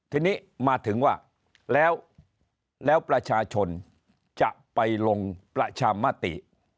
ทีนี้มาถึงว่าแล้วประชาชนจะไปลงประชามติ